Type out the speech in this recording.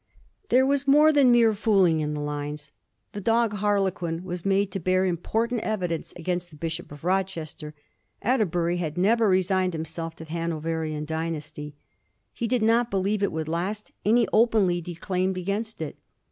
There was more than mere fooling in the lines. The dog Harlequin was made to bear important evi dence against the Bishop of Rochester. Atterbury had never resigned himself to the Hanoverian dynasty. He did not believe it would last, and he openly de claimed agsdnst it.